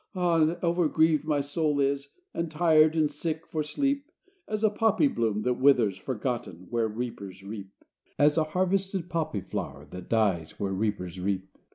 Ah! over grieved my soul is, And tired and sick for sleep, As a poppy bloom that withers, Forgotten, where reapers reap: As a harvested poppy flower That dies where reapers reap.